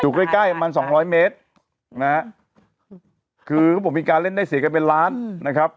ใกล้ใกล้ประมาณสองร้อยเมตรนะฮะคือเขาบอกมีการเล่นได้เสียกันเป็นล้านนะครับ